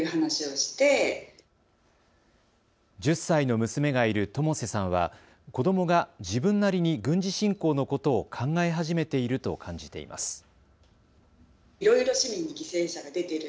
１０歳の娘がいる友瀬さんは子どもが自分なりに軍事侵攻のことを考え始めていると感じています。